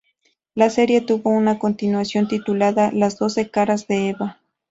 La serie tuvo una continuación titulada "Las doce caras de Eva".